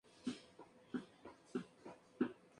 Se distribuye por India, Bangladesh y Nepal.